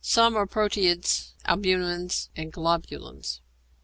Some are proteids, albumins, and globulins.